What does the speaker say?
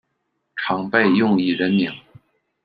常被用以人名。